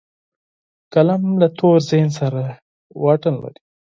قلم له تور ذهن سره فاصله لري